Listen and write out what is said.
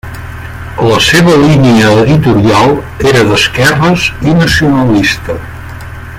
La seva línia editorial era d'esquerres i nacionalista.